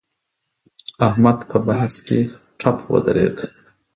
احمد په بحث کې ټپ ودرېد.